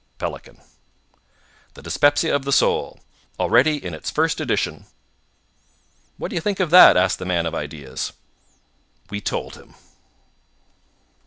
Pelican THE DYSPEPSIA OF THE SOUL Already in its first edition. "What do you think of that?" asked the man of ideas. We told him.